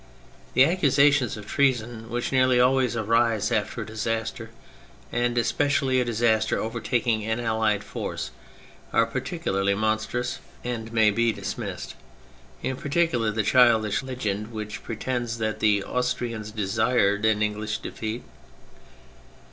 The accusations of treason which nearly always arise after a disaster, and especially a disaster overtaking an allied force, are particularly monstrous, and may be dismissed : in particular the childish legend which pretends that the Austrians desired an English defeat.